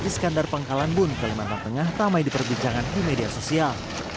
iskandar pengkalanbun kalimantan tengah tamai di perbincangan di media sosial